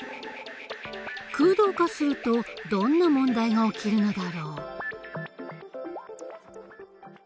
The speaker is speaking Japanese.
空洞化するとどんな問題が起きるのだろう？